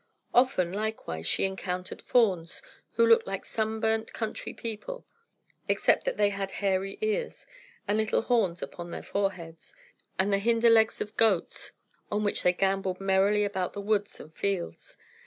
Often, likewise, she encountered fauns, who looked like sunburnt country people, except that they had hairy ears, and little horns upon their foreheads, and the hinder legs of goats, on which they gambolled merrily about the woods and fields.